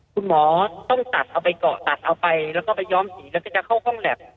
คุณหมอต้องตัดเอาไปเกาะตัดเอาไปแล้วก็ไปย้อมสีแล้วก็จะเข้าห้องแล็บ